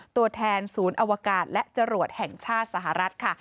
ตัวแทนศูนย์อวกาศและจรวดแห่งชาติสหรัฐค่ะ